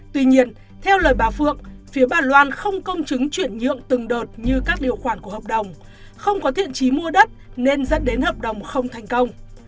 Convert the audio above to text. tuy nhiên theo lời bà phượng phía bà loan không công chứng chuyển nhượng từng đợt như các điều khoản của hợp đồng không có thiện trí mua đất nên dẫn đến hợp đồng không thành công